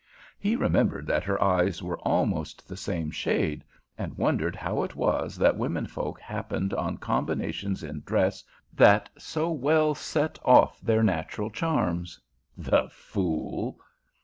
He remembered that her eyes were almost the same shade, and wondered how it was that women folk happened on combinations in dress that so well set off their natural charms. The fool!